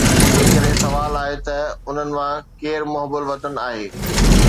جيڪڏهن سوال آهي ته انهن مان ڪير محب وطن آهي؟